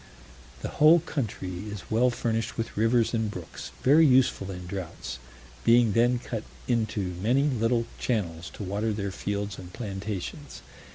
The whole country is well furnished with rivers and brooks, very useful in droughts, being then cut into many little channels to water their fields and plantations.